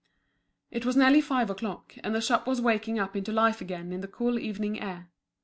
It was nearly five o'clock, and the shop was waking up into life again in the cool evening air.